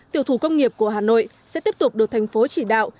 tiểu thủ công nghiệp của hà nội sẽ tiếp tục được thành phố chỉ đạo